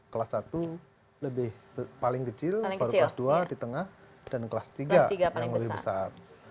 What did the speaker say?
kelas satu lebih paling kecil baru kelas dua di tengah dan kelas tiga yang lebih besar